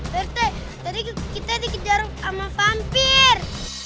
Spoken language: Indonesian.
prt tadi kita dikejar sama vampir